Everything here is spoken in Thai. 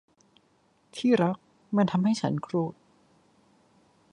ที่รัก มันทำให้ฉันโกรธ